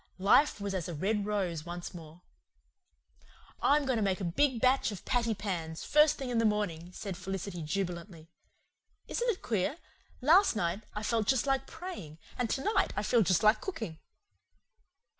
Life was as a red rose once more. "I'm going to make a big batch of patty pans, first thing in the morning," said Felicity jubilantly. "Isn't it queer? Last night I felt just like praying, and tonight I feel just like cooking."